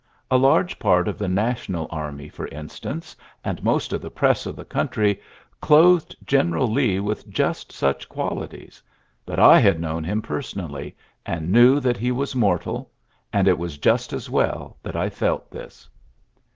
A large part of the National Army, for in stance, and most of the press of fhe country, clothed Gteneral Lee with just such qualities; but I had known him personally, and knew that he was mortal, and it was just as well that I felt this."